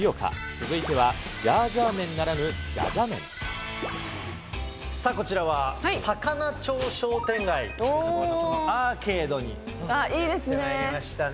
続いてはジャージャー麺ならぬ、さあ、こちらは肴町商店街アーケードにやってまいりましたね。